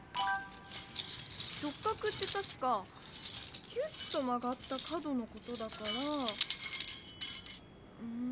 直角ってたしかキュッとまがった角のことだからうん。